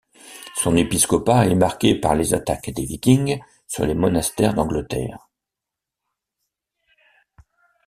Son épiscopat est marqué par les attaques des Vikings sur les monastères d'Angleterre.